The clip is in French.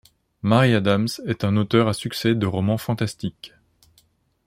Marie Adams est un auteur à succès de romans fantastiques.